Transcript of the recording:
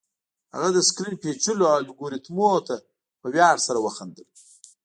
هغه د سکرین پیچلو الګوریتمونو ته په ویاړ سره وخندل